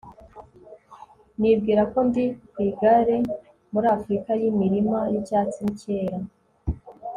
Nibwira ko ndi ku igare muri Afurika yimirima yicyatsi nicyera